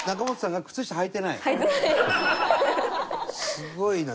すごいな。